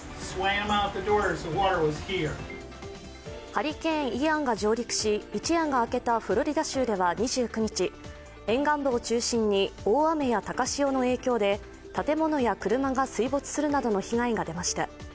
ハリケーン、イアンが上陸し、一夜が明けたフロリダ州では２９日、沿岸部を中心に大雨や高潮の影響で建物や車が水没するなどの被害が出ました。